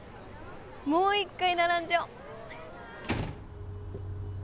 もう一回並んじゃお。